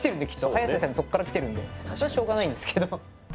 ハヤセさんそこからきてるんでそれはしょうがないんですけど。